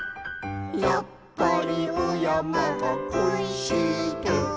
「やっぱりおやまがこいしいと」